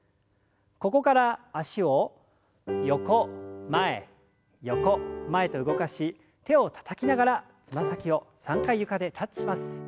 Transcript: ここから脚を横前横前と動かし手をたたきながらつま先を３回床でタッチします。